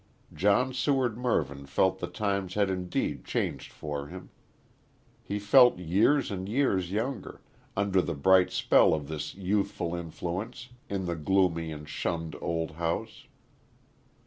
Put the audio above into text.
John Seward Mervyn felt the times had indeed changed for him. He felt years and years younger, under the bright spell of this youthful influence in the gloomy and shunned old house.